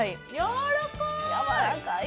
やわらかい！